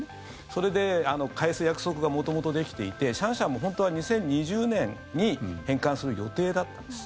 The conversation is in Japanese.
それで、返す約束が元々できていてシャンシャンも本当は２０２０年に返還する予定だったんです。